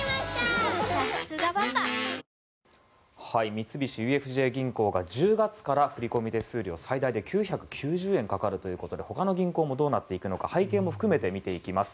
三菱ＵＦＪ銀行が１０月から振込手数料を最大で９９０円かかるということでほかの銀行もどうなっていくのか背景も含めて見ていきます。